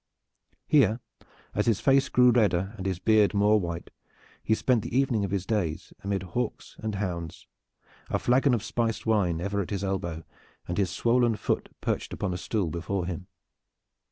Here, as his face grew redder and his beard more white, he spent the evening of his days, amid hawks and hounds, a flagon of spiced wine ever at his elbow, and his swollen foot perched upon a stool before him.